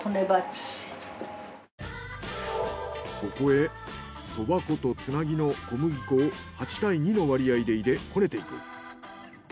そこへそば粉とつなぎの小麦粉を８対２の割合で入れこねていく。